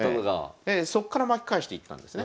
そっから巻き返していったんですね。